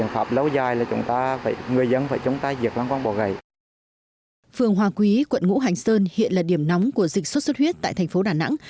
phương hoa quý quận ngũ hành sơn hiện là điểm nóng của dịch sốt xuất huyết tại thành phố đà nẵng